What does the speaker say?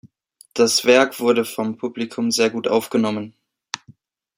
Das Werk wurde vom Publikum sehr gut aufgenommen.